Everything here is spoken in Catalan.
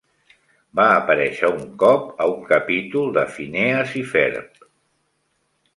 Va aparèixer un cop a un capítol de "Phineas y Ferb"